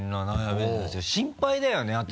心配だよね